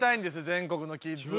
全国のキッズは。